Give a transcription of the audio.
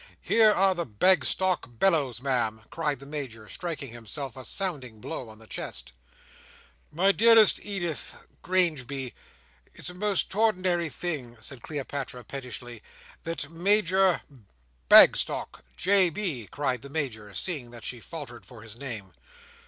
Here are the Bagstock bellows, Ma'am!" cried the Major, striking himself a sounding blow on the chest. "My dearest Edith—Grangeby—it's most trordinry thing," said Cleopatra, pettishly, "that Major—" "Bagstock! J. B.!" cried the Major, seeing that she faltered for his name.